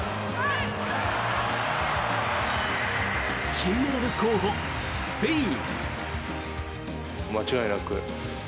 金メダル候補、スペイン。